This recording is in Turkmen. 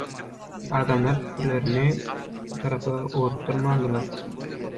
Adamlar pikirlerini bu taraba ugrukdurmandylar.